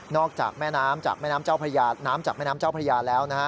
จากแม่น้ำจากแม่น้ำเจ้าพระยาน้ำจากแม่น้ำเจ้าพระยาแล้วนะฮะ